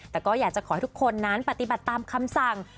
แต่ก็อยากจะขอให้ทุกคนนั้นปฏิบัติตามคำสั่ง